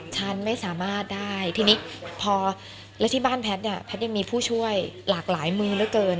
ฉันไม่สามารถได้ทีนี้พอแล้วที่บ้านแพทย์เนี่ยแพทย์ยังมีผู้ช่วยหลากหลายมือเหลือเกิน